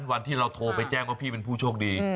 วันที่เราโทรไปแจ้งว่าพี่เป็นผู้โชคดี